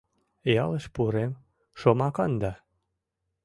Ялыш пурем - шомакан да